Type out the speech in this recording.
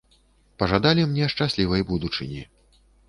Пажадалі мне шчаслівай будучыні.